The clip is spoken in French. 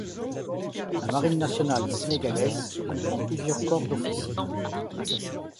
La Marine nationale sénégalaise comprend plusieurs corps d'officiers.